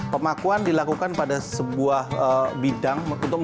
pemakuan dilakukan pada sebuah bidang untuk mengikuti pola